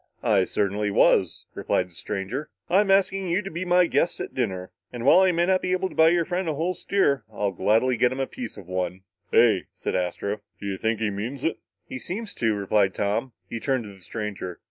"I certainly was," replied the stranger. "I'm asking you to be my guests at dinner. And while I may not be able to buy your friend a whole steer, I'll gladly get him a piece of one." "Hey," said Astro, "do you think he means it?" "He seems to," replied Tom. He turned to the stranger.